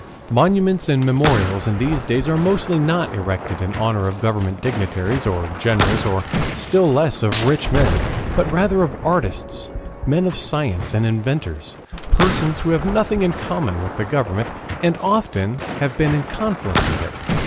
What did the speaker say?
Monuments and memorials in these days are mostly not erected in honor of government dignitaries, or generals, or still less of rich men, but rather of artists, men of science, and inventors, persons who have nothing in common with the government, and often have even been in conflict with it.